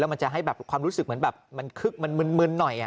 มันจะให้แบบความรู้สึกเหมือนแบบมันคึกมันมึนหน่อย